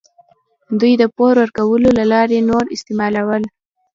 دوی د پور ورکولو له لارې نور استثمارول.